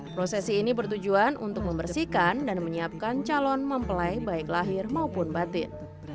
prosesi ini bertujuan untuk membersihkan dan menyiapkan calon mempelai baik lahir maupun batin